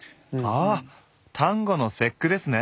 ああ端午の節句ですね。